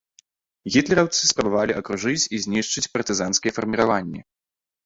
Гітлераўцы спрабавалі акружыць і знішчыць партызанскія фарміраванні.